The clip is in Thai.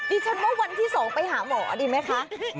ดิฉันว่าวันที่๒ไปหาหมอดีไหมคะ